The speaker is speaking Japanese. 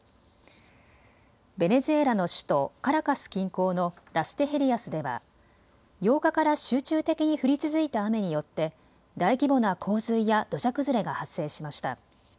ベネズエラの首都、カラカス近郊のラステヘリアスでは８日から集中的に降り続いた雨によって大規模な洪水や土砂崩れが発生しました。